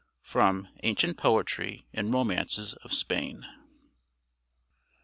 From 'Ancient Poetry and Romances of Spain.'